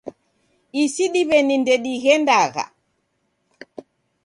Isi diw'eni ndedighendagha